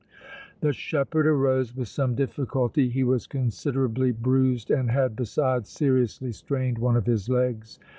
The shepherd arose with some difficulty; he was considerably bruised and had, besides, seriously strained one of his legs.